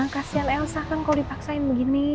kasian elsa kan kalau dipaksain begini